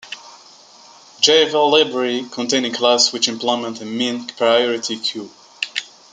Java's library contains a class, which implements a min-priority-queue.